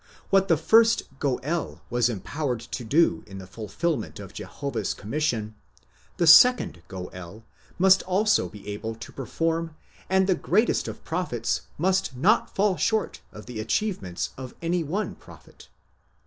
What the first Goél was empowered to do in the fulfilment of Jehovah's commission, the second Goél must also be able to perform and the greatest of prophets must not fall short of the achievements of any one prophet.